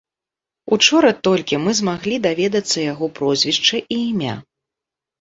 Учора толькі мы змаглі даведацца яго прозвішча і імя.